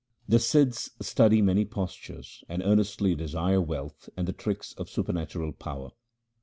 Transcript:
The Sidhs study many postures and earnestly desire wealth and the tricks of supernatural power.